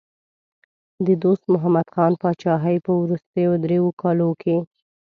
د دوست محمد خان پاچاهۍ په وروستیو دریو کالو کې.